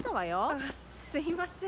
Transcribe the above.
あっすいません。